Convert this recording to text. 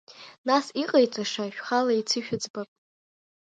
Нас иҟаиҵаша шәхала еицышәыӡбап.